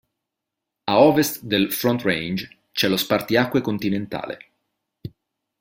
A ovest del "Front Range" c'è lo spartiacque continentale.